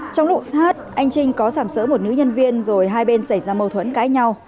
trong lụt hát anh trinh có sảm sỡ một nữ nhân viên rồi hai bên xảy ra mâu thuẫn cãi nhau